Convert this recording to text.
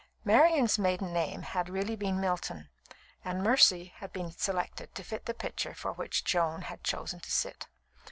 Marian's maiden name had really been Milton, and "Mercy" had been selected to fit the picture for which Joan had chosen to sit.